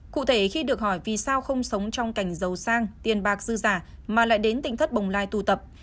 cụ thể khi được hỏi vì sao không sống trong cảnh giàu sang tiền bạc dư giả mà lại đến tỉnh thất bồng lai tụ tập